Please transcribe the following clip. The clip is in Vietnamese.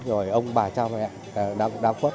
rồi ông bà cha mẹ đang khuất